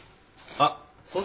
あっそうだ。